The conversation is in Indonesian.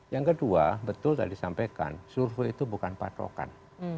yang kedua betul tadi sampaikan survei itu bukan patrokan